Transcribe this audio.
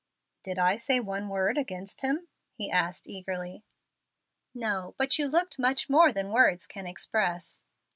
"Did I say one word against him?" he asked, eagerly. "No, but you looked much more than words can express."